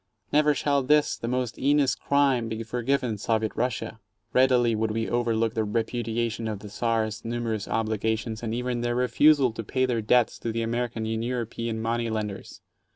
Never shall this, the most heinous crime, be forgiven Soviet Russia! Readily would we overlook their repudiation of the Czar's numerous obli gations and even their refusal to pay their debts to the American and European money lenders.